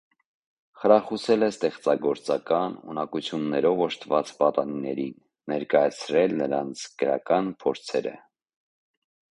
Խրախուսել է ստեղծագործական ունակություններով օժտված պատանիներին, ներկայացրել նրանց գրական փորձերը։